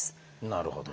なるほど。